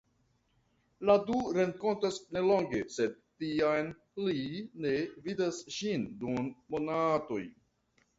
La du renkontas nelonge sed tiam li ne vidas ŝin dum monatoj.